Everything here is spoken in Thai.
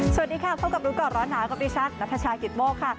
สวัสดีค่ะพบกับรู้ก่อนร้อนหาก็เป็นชักนัทชากิตโม่ค่ะ